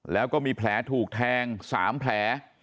แล้วก็มีแผลถูกแทง๓แผล